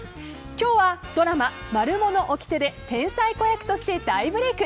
今日はドラマ「マルモのおきて」で天才子役として大ブレーク。